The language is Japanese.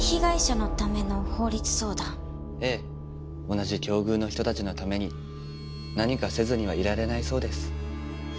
同じ境遇の人たちのために何かせずにはいられないそうです。